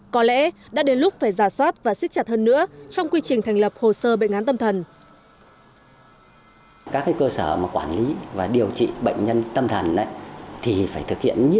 có lẽ đã đến lúc phải giả soát và xích chặt hơn nữa trong quy trình thành lập hồ sơ bệnh án tâm thần